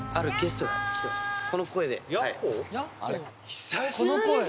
この声で。